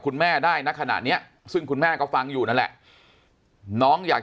คุณแม่ได้ณขณะนี้ซึ่งคุณแม่ก็ฟังอยู่นั่นแหละน้องอยาก